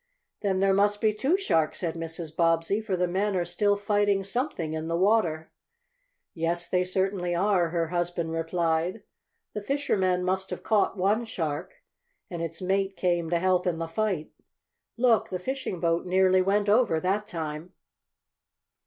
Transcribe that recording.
"Then there must be two sharks," said Mrs. Bobbsey, "for the men are still fighting something in the water." "Yes, they certainly are," her husband replied. "The fishermen must have caught one shark, and its mate came to help in the fight. Look, the fishing boat nearly went over that time!"